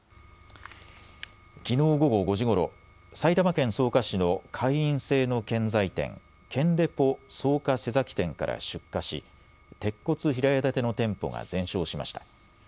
きのう午後５時ごろ、埼玉県草加市の会員制の建材店、建デポ草加瀬崎店から出火し鉄骨平屋建ての店舗が全焼しました。